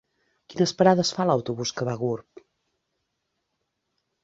Quines parades fa l'autobús que va a Gurb?